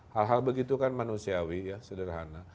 hal hal begitu kan manusiawi ya sederhana